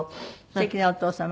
すてきなお父様。